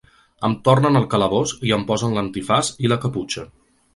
Em tornen al calabós i em posen l’antifaç i la caputxa.